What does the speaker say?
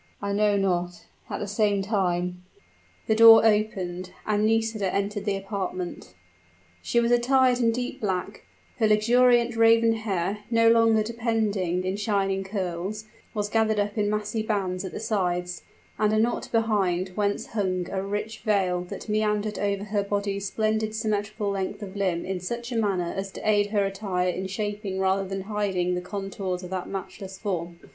"I know not. At the same time " The door opened, and Nisida entered the apartment. She was attired in deep black; her luxuriant raven hair, no longer depending in shining curls, was gathered up in massy bands at the sides, and a knot behind, whence hung a rich veil that meandered over her body's splendidly symmetrical length of limb in such a manner as to aid her attire in shaping rather than hiding the contours of that matchless form.